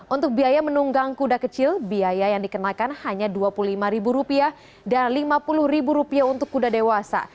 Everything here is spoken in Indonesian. untuk biaya menunggang kuda kecil biaya yang dikenakan hanya rp dua puluh lima dan rp lima puluh untuk kuda dewasa